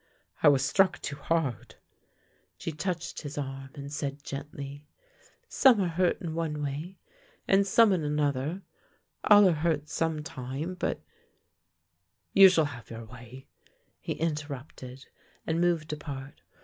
" I was struck too hard " She touched his arm and said gently: "Some are hurt in one way and some in another; all are hurt some time, but "" You shall have your way," he interrupted, and moved apart.